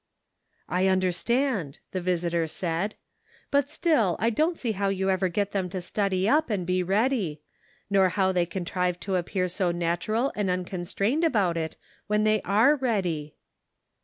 "I understand," the visitor said; "but still I don't see how you ever get them to study up and be ready ; nor how they contrive to appear so natural and unconstrained about it when they are ready."